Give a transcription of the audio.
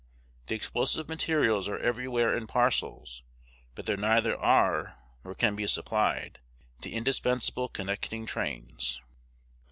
The explosive materials are everywhere in parcels; but there neither are, nor can be supplied, the indispensable connecting trains.